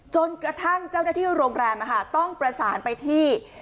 จนกระทั่งเจ้าหน้าที่โรงแรมต้องประสานไปที่